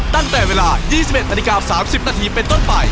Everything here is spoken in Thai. ตั้งแต่เวลา๒๑นาฬิกา๓๐นาทีเป็นต้นไป